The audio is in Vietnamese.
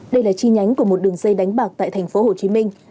đây là chi nhánh của một đường dây đánh bạc tại thành phố hồ chí minh